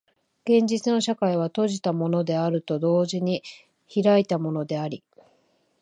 現実の社会は閉じたものであると同時に開いたものであり、